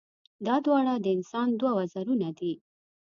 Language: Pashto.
دا دواړه د انسان دوه وزرونه دي.